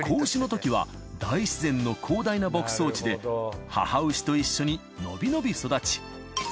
子牛のときは大自然の広大な牧草地で母牛と一緒にのびのび育ち。